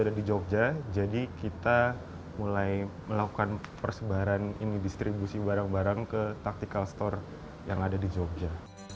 ada di jogja jadi kita mulai melakukan persebaran ini distribusi barang barang ke tactical store yang ada di jogja